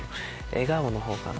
笑顔の方かな。